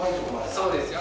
そうですよ。